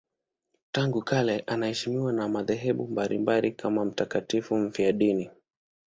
Tangu kale anaheshimiwa na madhehebu mbalimbali kama mtakatifu mfiadini.